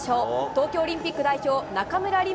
東京オリンピック代表、中村輪